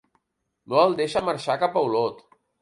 No el deixa marxar cap a Olot.